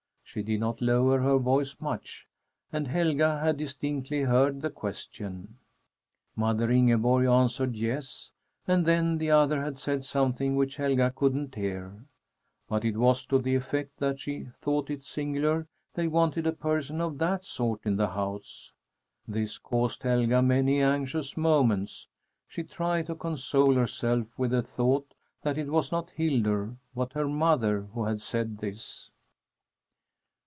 She did not lower her voice much, and Helga had distinctly heard the question. Mother Ingeborg answered yes, and then the other had said something which Helga couldn't hear. But it was to the effect that she thought it singular they wanted a person of that sort in the house. This caused Helga many anxious moments. She tried to console herself with the thought that it was not Hildur, but her mother, who had said this.